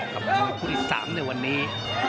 คุณผู้ที่สามในวันนี้